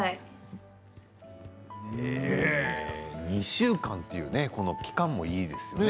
２週間という期間もいいですね。